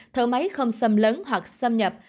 thở máy không xâm lớn hoặc xâm nhập